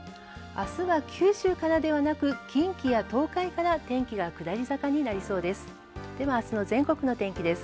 明日は、九州からではなく、近畿や東海から天気が下り坂となりそうです。